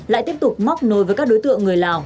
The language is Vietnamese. lại tiếp tục móc nối với các đối tượng người lào